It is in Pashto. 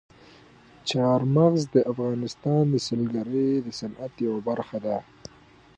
چار مغز د افغانستان د سیلګرۍ د صنعت یوه برخه ده.